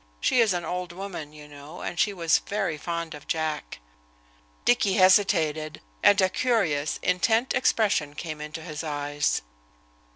She is an old woman, you know, and she was very fond of Jack." Dicky hesitated, and a curious, intent expression came into his eyes.